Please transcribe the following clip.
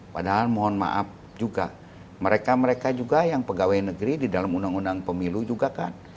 padahal mohon maaf juga mereka mereka juga yang pegawai negeri di dalam undang undang pemilu juga kan